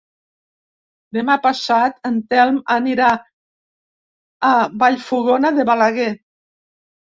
Demà passat en Telm anirà a Vallfogona de Balaguer.